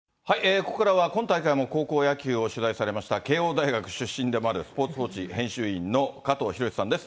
ここからは今大会も高校野球を取材されました、慶応大学出身でもある、スポーツ報知編集員の加藤弘士さんです。